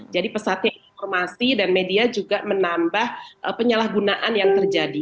jadi pesatnya informasi dan media juga menambah penyalahgunaan yang terjadi